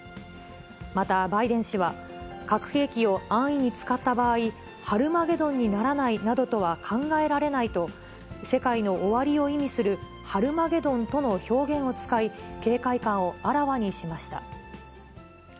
またバイデン氏は、核兵器を安易に使った場合、ハルマゲドンにならないなどとは考えられないと、世界の終わりを意味するハルマゲドンとの表現を使い、警戒感をあらわにしました。